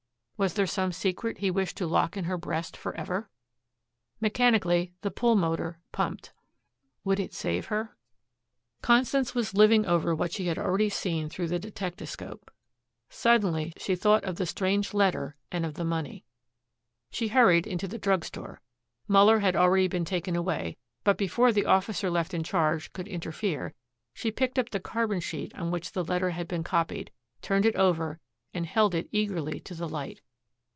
Was there some secret he wished to lock in her breast forever? Mechanically the pulmotor pumped. Would it save her? Constance was living over what she had already seen through the detectascope. Suddenly she thought of the strange letter and of the money. She hurried into the drug store. Muller had already been taken away, but before the officer left in charge could interfere she picked up the carbon sheet on which the letter had been copied, turned it over and held it eagerly to the light.